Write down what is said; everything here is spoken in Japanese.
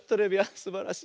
すばらしい。